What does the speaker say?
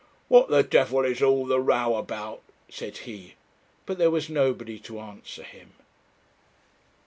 'What the devil is all the row about?' said he. But there was nobody to answer him.